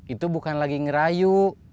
itu bukan lagi ngerayu